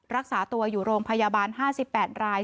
รักษาตัวอยู่โรงพยาบาล๕๘ราย